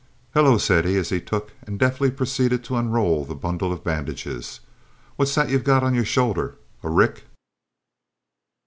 "Hullo!" said he as he took and deftly proceeded to unroll the bundle of bandages, "what's that you've got on your shoulders a rick?"